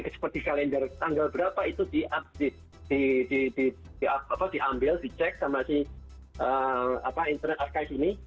seperti kalender tanggal berapa itu diambil dicek sama si internet archise ini